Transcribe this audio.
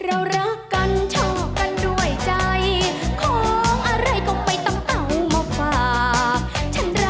โอเคค่ะ